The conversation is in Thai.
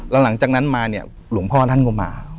แล้วหลังจากนั้นมาเนี่ยหลวงพ่อท่านก็มา